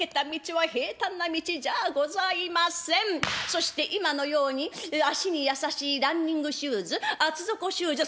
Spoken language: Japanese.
そして今のように足に優しいランニングシューズ厚底シューズ。